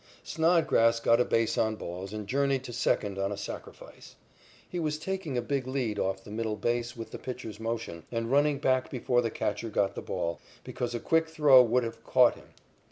Snodgrass got a base on balls and journeyed to second on a sacrifice. He was taking a big lead off the middle base with the pitcher's motion, and running back before the catcher got the ball, because a quick throw would have caught him.